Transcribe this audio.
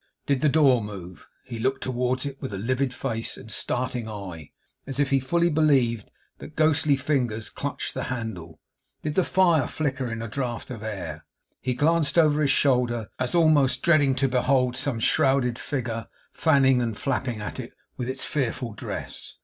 Did the door move, he looked towards it with a livid face and starting eye, as if he fully believed that ghostly fingers clutched the handle. Did the fire flicker in a draught of air, he glanced over his shoulder, as almost dreading to behold some shrouded figure fanning and flapping at it with its fearful dress.